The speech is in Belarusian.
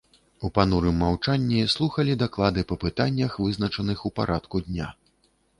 У панурым маўчанні слухалі даклады па пытаннях, вызначаных у парадку дня.